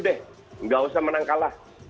tidak usah menang kalah